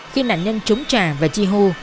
khi nạn nhân trúng trà và chi hô